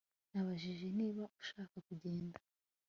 Nabajije niba ushaka kugenda